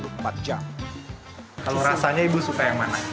kalau rasanya ibu suka yang mana